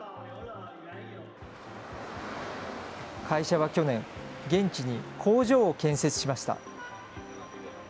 会社は去年、現地に工場を建設しました。